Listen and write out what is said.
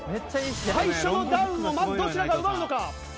最初のダウンをまずどちらが奪うのか？